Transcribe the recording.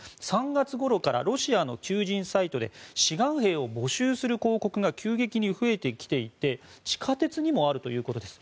３月ごろからロシアの求人サイトで志願兵を募集する広告が急激に増えてきていて地下鉄にもあるということです。